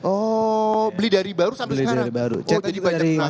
oh beli dari baru sampai sekarang